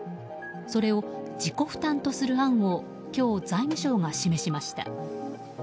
それを自己負担とする案を今日、財務省が示しました。